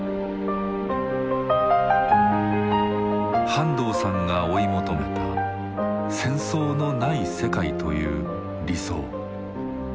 半藤さんが追い求めた「戦争のない世界」という理想。